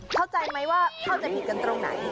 เข้าใจไหมว่าเข้าใจผิดกันตรงไหน